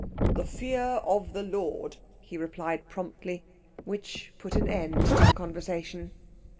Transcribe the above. "The fear of the Lord," he replied promptly; which put an end to the conversation.